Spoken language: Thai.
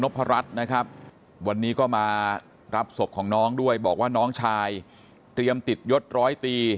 พระรัชนะครับวันนี้ก็มารับศพของน้องด้วยบอกว่าน้องชายเตรียมติดยศร้อยตี